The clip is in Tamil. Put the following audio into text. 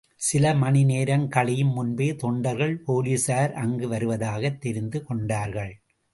சில மணி நேரம் கழியும் முன்பே தொண்டர்கள் போலிஸார் அங்கு வருவதாகத் தெரிந்து கொண்டார்கள்.